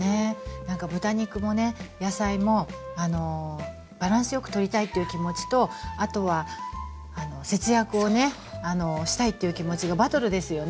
なんか豚肉もね野菜もバランスよくとりたいという気持ちとあとは節約をねしたいという気持ちがバトルですよね。